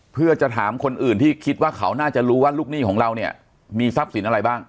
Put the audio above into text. เพื่อจะถามคนอื่นที่คิดว่าเขาน่าจะรู้ว่าลูกหนี้ของเราเนี่ยมีทรัพย์สินอะไรบ้าง